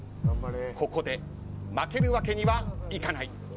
ここで負けるわけにはいかない。